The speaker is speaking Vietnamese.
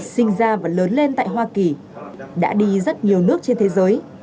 sinh ra và lớn lên tại hoa kỳ đã đi rất nhiều nước trên thế giới